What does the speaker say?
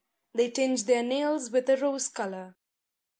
They tinge their nails with a rose colour.